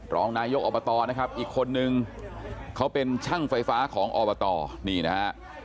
รองนายกอบตนะครับอีกคนนึงเขาเป็นช่างไฟฟ้าของอบตนี่นะฮะ